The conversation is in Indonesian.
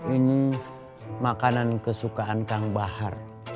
ini makanan kesukaan kang bahar